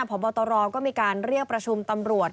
ผ่อนบอลตอรองก็มีการเรียกประชุมตำรวจ